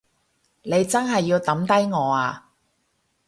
你真係要抌低我呀？